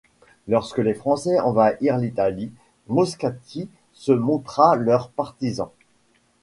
Lorsque les Français envahirent l'Italie, Moscati se montra leur partisan.